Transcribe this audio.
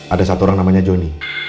ada satu orang namanya joni